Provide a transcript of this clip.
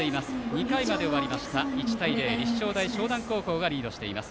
２回まで終わりました、１対０立正大淞南高校がリードしています。